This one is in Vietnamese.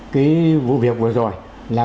cái vụ việc vừa rồi là